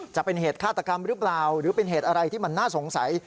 จะเป็นเหตุฆาตกรรมหรือเปล่าหรือเป็นเหตุอะไรที่มันน่าสงสัย